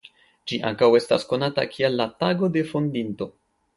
Ĝi ankaŭ estas konata kiel la Tago de Fondinto.